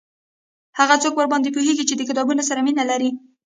هغه څوک ورباندي پوهیږي چې د کتابونو سره مینه لري